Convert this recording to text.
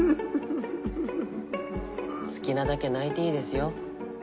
好きなだけ泣いていいですよ。